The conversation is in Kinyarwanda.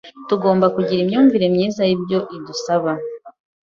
tugomba kugira imyumvire myiza y’ibyo Idusaba.